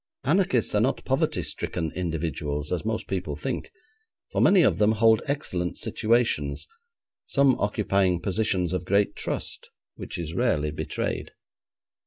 Anarchists are not poverty stricken individuals, as most people think, for many of them hold excellent situations, some occupying positions of great trust, which is rarely betrayed.